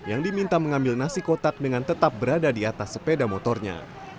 yang diminta mengambil nasi kotak dengan tetap berada di atas sepeda motornya